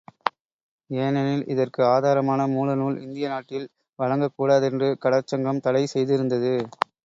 ஏனெனில் இதற்கு ஆதாரமான மூலநூல் இந்திய நாட்டில் வழங்கக் கூடாதென்று கடற் சங்கம் தடை செய்திருந்தது.